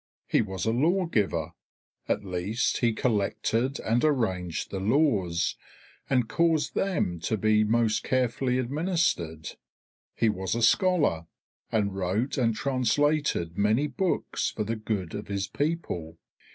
He was a lawgiver; at least he collected and arranged the laws, and caused them to be most carefully administered. He was a scholar, and wrote and translated many books for the good of his people.